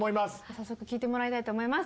早速聴いてもらいたいと思います。